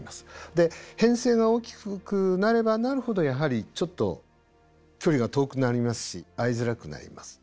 で編成が大きくなればなるほどやはりちょっと距離が遠くなりますし合いづらくなります。